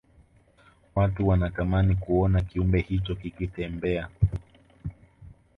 watu wanatamani kuona kiumbe hicho kikitembea